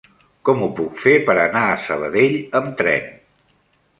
Com ho puc fer per anar a Sabadell amb tren?